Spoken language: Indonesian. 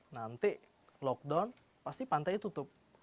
nanti lockdown pasti pantainya tutup